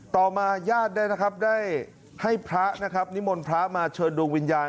ต่อมาญาติได้ให้นิมลพระเชิญดูงวิญญาณ